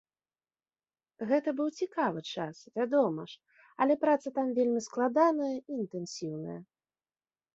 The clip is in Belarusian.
Гэта быў цікавы час, вядома ж, але праца там вельмі складаная і інтэнсіўная.